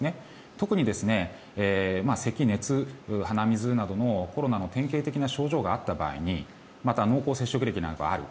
特に、せき、熱、鼻水などのコロナの典型的な症状があった場合また濃厚接触歴がある。